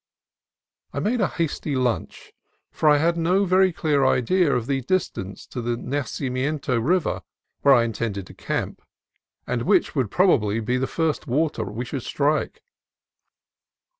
I made a hasty lunch, for I had no very clear idea of the distance to the Nacimiento River, where I intended to camp, and which would probably be the first water we should strike.